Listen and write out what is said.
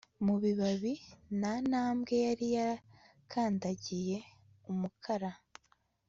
Mu bibabi nta ntambwe yari yarakandagiye umukara